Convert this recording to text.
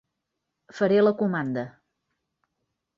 Faré la comanda.